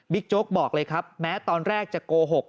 โจ๊กบอกเลยครับแม้ตอนแรกจะโกหก